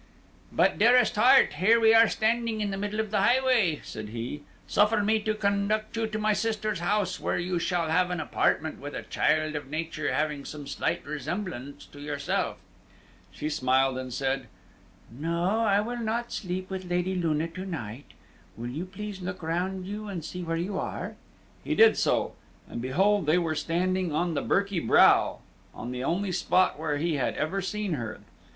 "But, dearest heart, here we are standing in the middle of the highway," said he; "suffer me to conduct you to my sister's house, where you shall have an apartment with a child of nature having some slight resemblance to yourself." She smiled, and said, "No, I will not sleep with Lady Luna to night. Will you please to look round you, and see where you are." He did so, and behold they were standing on the Birky Brow, on the only spot where he had ever seen her.